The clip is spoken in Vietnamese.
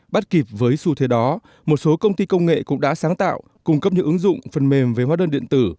bắt kịp với xu thế đó một số công ty công nghệ cũng đã sáng tạo cung cấp những ứng dụng phần mềm về hóa đơn điện tử